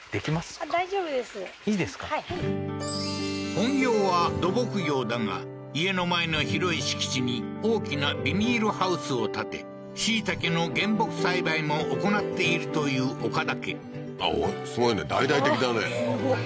本業は土木業だが家の前の広い敷地に大きなビニールハウスを建て椎茸の原木栽培も行っているという岡田家おっすごいね大々的だねすごっ